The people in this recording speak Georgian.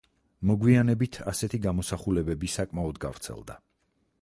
მოგვიანებით ასეთი გამოსახულებები საკმაოდ გავრცელდა.